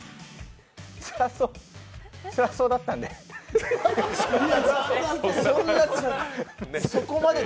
つらそうつらそうだったんで。